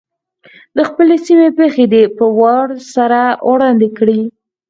د خپلې سیمې پېښې دې په وار سره وړاندي کړي.